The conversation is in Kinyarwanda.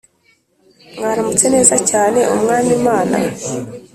Mwaramutse neza cyane umwami mana